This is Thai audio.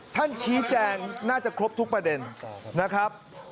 ท่านชี้แจงน่าจะครบทุกประเด็นนะครับ